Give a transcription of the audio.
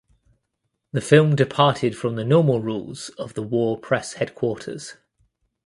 The film departed from the normal rules of the war press headquarters.